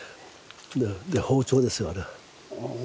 包丁ですよあれは。